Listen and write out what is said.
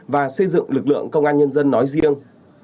và xây dựng lực lượng công an nhân dân nói riêng